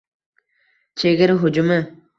Chegara hujumi: